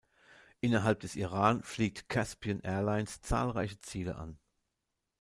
Innerhalb des Iran fliegt Caspian Airlines zahlreiche Ziele an.